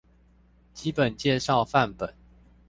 基本介紹範本